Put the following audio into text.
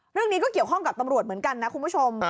เรื่องนี้ก็เกี่ยวข้องกับตำรวจเหมือนกันนะคุณผู้ชม